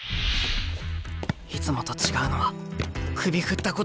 いつもと違うのは首振ったことだけや。